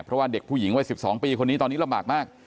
เพราะว่าเด็กผู้หญิงวัย๑๒ปีคนนี้ตอนนี้ลำบากมาก